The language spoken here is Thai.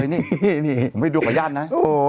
ผมไม่ดูประญาตินะ